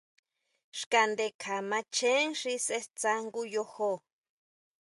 Xka ndekja macheén xi sʼe stsá jngu yojo.